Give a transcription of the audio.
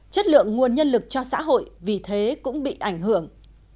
chất lượng nguồn nhân lực cho xã hội vì thế cũng bị ảnh hưởng